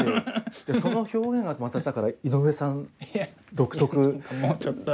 その表現がまただから井上さん独特ですよね。